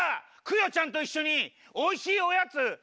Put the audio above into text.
クヨちゃんといっしょにおいしいおやつつくらない？